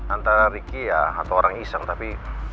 antara ricky ya atau orang iseng tapi